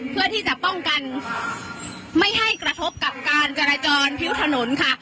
เพื่อที่จะป้องกันไม่ให้กระทบกับการจราจรพิ้วถนนค่ะ